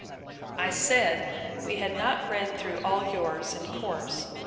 'I said, we had not read through all yours in course.